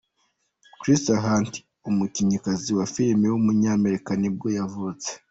Crystal Hunt, umukinnyikazi wa filime w’umunyamerika nibwo yavutse.